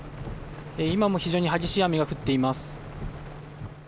今も非常に激しい雨が降っています。